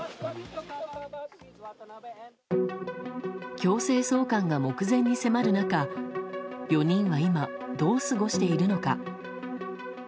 強制送還が目前に迫る中４人は今どう過ごしているのか。